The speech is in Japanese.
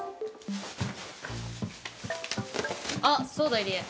あっそうだ入江。